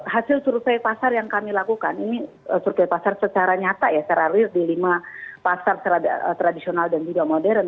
hasil survei pasar yang kami lakukan ini survei pasar secara nyata ya secara real di lima pasar secara tradisional dan juga modern